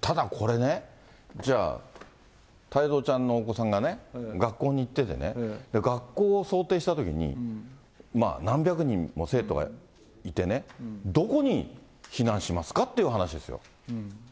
ただこれね、じゃあ、太蔵ちゃんのお子さんが学校に行っててね、学校を想定したときに、何百人も生徒いてね、どこに避難しますかって話ですよ。